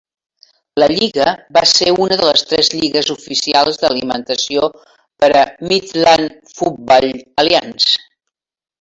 La lliga va ser una de les tres lligues oficials d'alimentació per a Midland Football Alliance.